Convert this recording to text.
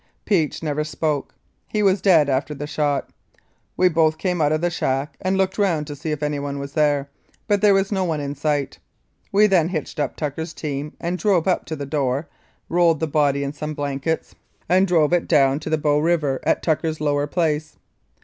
Peach never spoke. He was dead after the shot. We both came out of the shack and looked round to see if anyone was there, but there was no one in sight. We then hitched up Tucker's team and drove up to the door, rolled the body in some blankets, and 243 Mounted Police Life in Canada drove it down to the Bow River at Tucker's lower place.